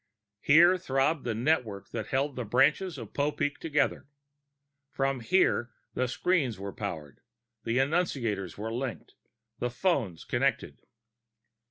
Here throbbed the network that held the branches of Popeek together. From here the screens were powered, the annunciators were linked, the phones connected.